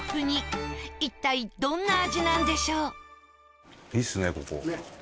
一体どんな味なんでしょう？